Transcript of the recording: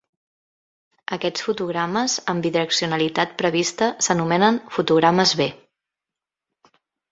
Aquests fotogrames amb bidireccionalitat prevista s'anomenen "fotogrames B".